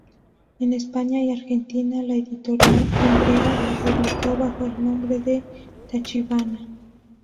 En España y Argentina, la Editorial Ivrea lo publicó bajo el nombre de "Tachibana".